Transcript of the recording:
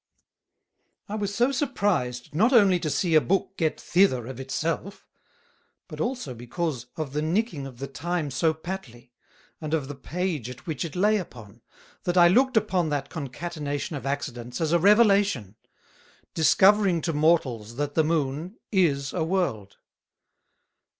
From a 17th Century Engraving] I was so surprised, not only to see a Book get thither of it self; but also because of the nicking of the Time so patly, and of the Page at which it lay upon, that I looked upon that Concatenation of Accidents as a Revelation, discovering to Mortals that the Moon is a World.